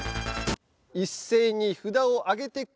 一斉に札を上げてください。